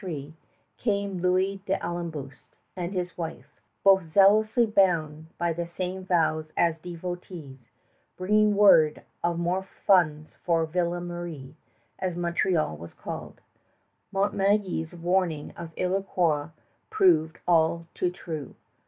In 1743 came Louis d'Ailleboust and his wife, both zealously bound by the same vows as devotees, bringing word of more funds for Ville Marie, as Montreal was called. Montmagny's warning of Iroquois proved all too true.